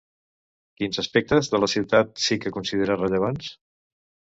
Quins aspectes de la ciutat sí que considera rellevants?